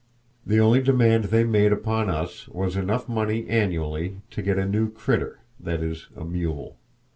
The only demand they made upon us was enough money annually to get a new "critter," that is, a mule.